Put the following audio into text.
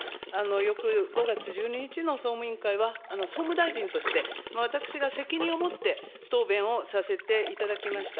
よく５月１２日の総務委員会は、総務大臣として、私が責任を持って答弁をさせていただきました。